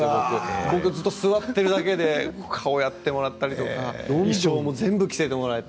僕はずっと座っているだけで顔をやってもらったり衣装も全部、着せてもらえて。